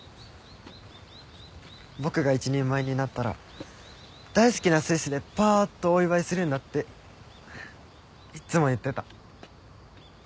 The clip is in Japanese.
僕が一人前になったら大好きなスイスでパーッとお祝いするんだっていっつも言ってた。